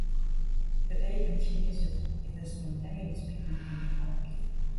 The day continues with a spontaneous picnic in the park.